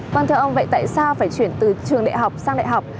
vâng thưa ông vậy tại sao phải chuyển từ trường đại học sang đại học